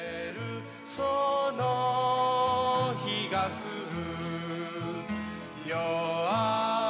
「その日がくる」